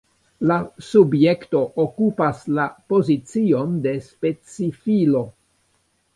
La subjekto okupas la pozicion de specifilo.